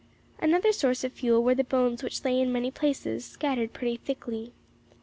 Another source of fuel were the bones which lay in many places, scattered pretty thickly.